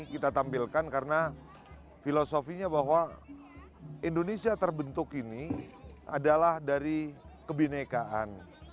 kita tampilkan karena filosofinya bahwa indonesia terbentuk ini adalah dari kebinekaan